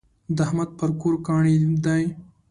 د احمد پر کور کاڼی دی.